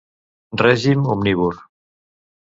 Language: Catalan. Règim omnívor.